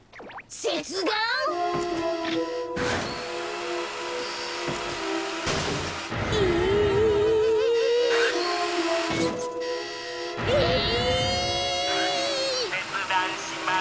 せつだんします。